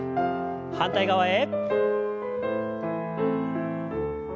反対側へ。